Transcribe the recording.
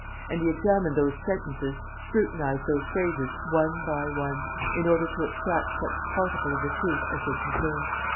And he examined those sentences, scrutinized those phrases one by one, in order to extract such particle of the truth as they contained.